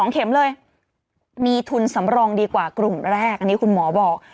๒เข็มเลยมีทุนสำรองดีกว่ากลุ่มแรกอันนี้คุณหมอบอก